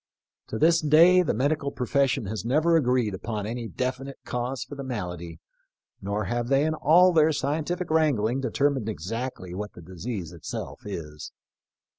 To this day the medical profes sion has never agreed upon any definite cause for the malady, nor have they in all their scientific wrangling determined exactly what the disease it self is.